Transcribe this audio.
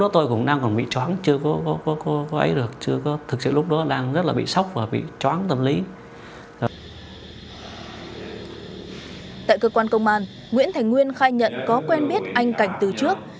tại cơ quan công an nguyễn thành nguyên khai nhận có quen biết anh cảnh từ trước